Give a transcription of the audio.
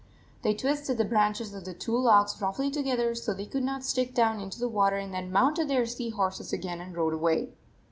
They twisted the branches of the two logs roughly together, so they could not stick down into the water and then mounted their sea horses again and rode away.